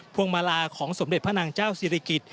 วงมาลาของสมเด็จพระนางเจ้าศิริกิจ